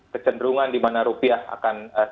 kecenderungan dimana rupiah akan diketahui